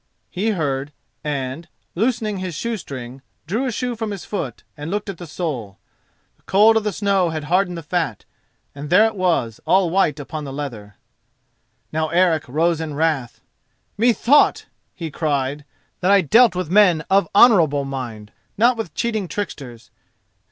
He heard, and, loosening his shoe string, drew a shoe from his foot and looked at the sole. The cold of the snow had hardened the fat, and there it was, all white upon the leather. Now Eric rose in wrath. "Methought," he cried, "that I dealt with men of honourable mind, not with cheating tricksters.